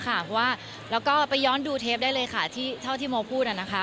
เพราะว่าเราก็ไปย้อนดูเทปได้เลยค่ะเท่าที่โมพูดนะคะ